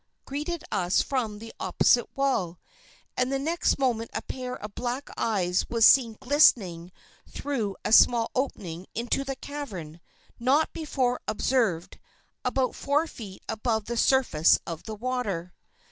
greeted us from the opposite wall, and the next moment a pair of black eyes were seen glistening through a small opening into the cavern, not before observed, about four feet above the surface of the water.